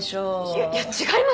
いやいや違います